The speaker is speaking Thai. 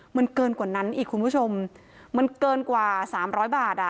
มันเกินกว่านั้นอีกคุณผู้ชมมันเกินกว่าสามร้อยบาทอ่ะ